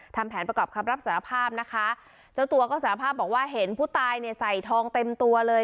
ทำแผนประกอบคำรับสารภาพนะคะเจ้าตัวก็สารภาพบอกว่าเห็นผู้ตายเนี่ยใส่ทองเต็มตัวเลย